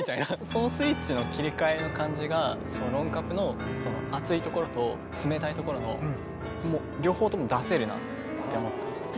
そのスイッチの切り替えの感じが「ロンカプ」のその熱いところと冷たいところの両方とも出せるなって思ったんですよね。